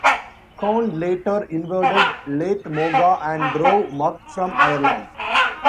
Conn later invaded Leth Moga and drove Mug from Ireland.